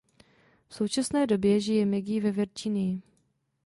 V současné době žije Maggie ve Virginii.